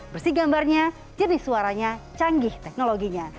bersih gambarnya jenis suaranya canggih teknologinya